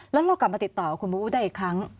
แล้วเรากลับมาติดต่อกับคุณบูอูได้อีกครั้ง